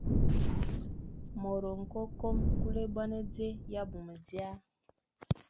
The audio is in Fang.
Môr ke kôm kul ébôñe, nzè e ya abmum dia.